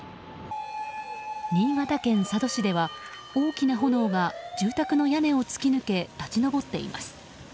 新潟県佐渡市では大きな炎が住宅の屋根を突き抜け立ち上っています。